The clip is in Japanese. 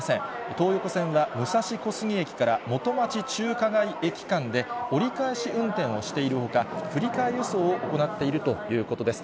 東横線は、武蔵小杉駅から元町・中華街駅間で折り返し運転をしているほか、振り替え輸送を行っているということです。